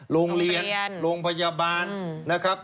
โรงเรียนโรงพยาบาลนะครับ